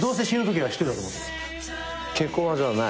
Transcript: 結婚はじゃあない？